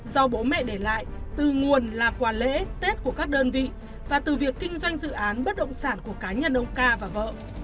do bố mẹ để lại từ nguồn là quà lễ tết của các đơn vị và từ việc kinh doanh dự án bất động sản của cá nhân ông ca và vợ